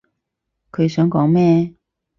佢想講咩？